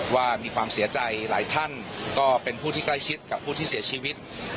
ว่ามีความเสียใจหลายท่านก็เป็นผู้ที่ใกล้ชิดกับผู้ที่เสียชีวิต